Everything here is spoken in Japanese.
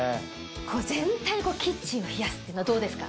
全体にキッチンを冷やすっていうのはどうですか。